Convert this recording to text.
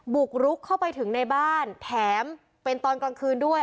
บุกรุกเข้าไปถึงในบ้านแถมเป็นตอนกลางคืนด้วย